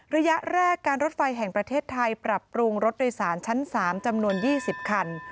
ระยะแรกการรถไฟแห่งประเทศไทยปรับปรุงรถโดยสารชั้น๓จำนวน๒๐คัน